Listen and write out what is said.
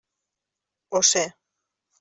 Ho sé.